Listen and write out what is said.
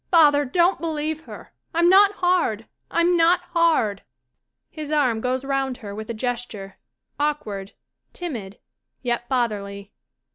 Father, don't believe her ! I'm not hard. I'm not hard. [His arm goes round her with a gesture, awkward, timid, yet fatherly.'